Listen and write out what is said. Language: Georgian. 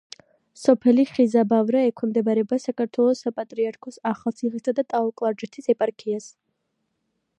სოფელი ხიზაბავრა ექვემდებარება საქართველოს საპატრიარქოს ახალციხისა და ტაო-კლარჯეთის ეპარქიას.